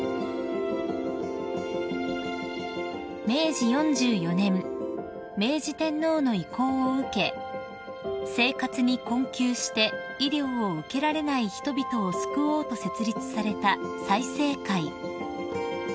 ［明治４４年明治天皇の意向を受け生活に困窮して医療を受けられない人々を救おうと設立された済生会］